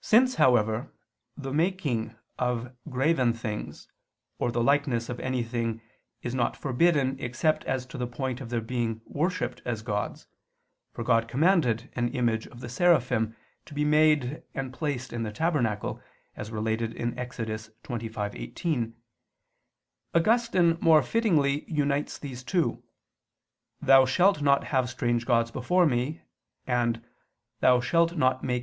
Since, however, the making of graven things or the likeness of anything is not forbidden except as to the point of their being worshipped as gods for God commanded an image of the Seraphim [Vulg.: Cherubim] to be made and placed in the tabernacle, as related in Ex. 25:18 Augustine more fittingly unites these two, "Thou shalt not have strange gods before Me," and, "Thou shalt not make